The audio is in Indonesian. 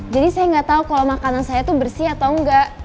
jadi saya gak tau kalau makanan saya tuh bersih atau enggak